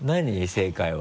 正解は。